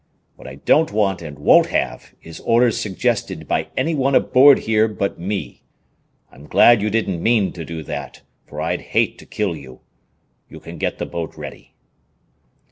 What I don't want and won't have is orders suggested by any one aboard here but me. I'm glad you didn't mean to do that, for I'd hate to kill you. You can get the boat ready."